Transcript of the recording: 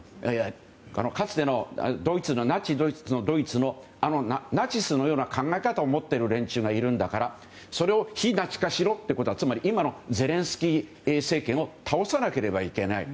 かつてのナチスドイツのナチスのような考え方を持っている連中がいるんだからそれを非ナチ化しろということはつまり今のゼレンスキー政権を倒さなければいけない。